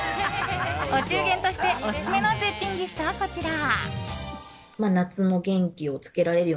お中元としてオススメの絶品ギフトはこちら。